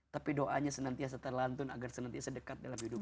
tapi doanya senantiasa terlantun agar senantiasa dekat dalam hidupmu